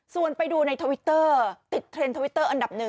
ส่วนไปดูในทวิตเตอร์ติดเทรนด์ทวิตเตอร์อันดับ๑